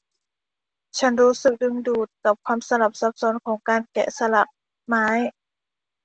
ฉันรู้สึกดึงดูดกับความสลับซับซ้อนของการแกะสลักไม้